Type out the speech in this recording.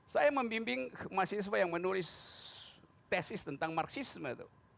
saya membimbing mahasiswa yang menulis tesis tentang marxisme